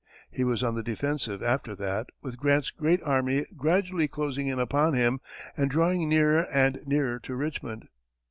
He was on the defensive, after that, with Grant's great army gradually closing in upon him and drawing nearer and nearer to Richmond.